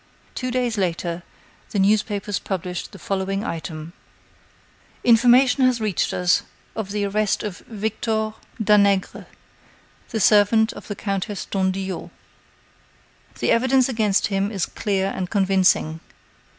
Two days later, the newspapers published the following item: "Information has reached us of the arrest of Victor Danègre, the servant of the Countess d'Andillot. The evidence against him is clear and convincing.